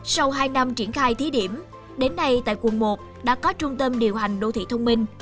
sau hai năm triển khai thí điểm đến nay tại quận một đã có trung tâm điều hành đô thị thông minh